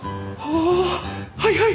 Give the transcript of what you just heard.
あはいはい！